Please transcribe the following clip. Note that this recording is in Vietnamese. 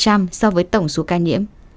chiếm tỷ lệ bốn so với tổng số ca nhiễm